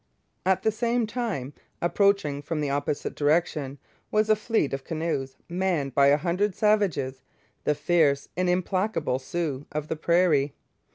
At the same time, approaching from the opposite direction, was a fleet of canoes manned by a hundred savages, the fierce and implacable Sioux of the prairie.